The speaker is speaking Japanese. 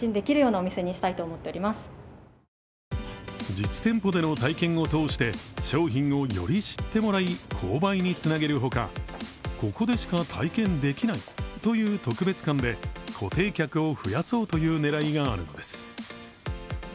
実店舗での体験を通して商品をより知ってもらい購買につなげる他、ここでしか体験できないという特別感で固定客を増やそうという狙いがあるのです。